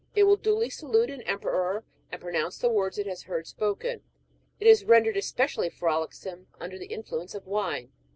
It will duly salute an em peror, and pronounce the words it has heard spoken ; it is rendered especially frolicsome under the influence of wine.